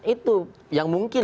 itu yang mungkin